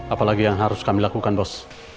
apalagi yang harus kami lakukan dos